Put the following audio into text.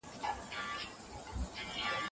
که موږ خپله ژبه وساتو، نو کلتور به محفوظه سي.